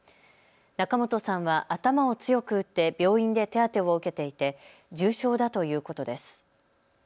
仲本さんは頭を強く打って病院で手当てを受けていて重傷だということです。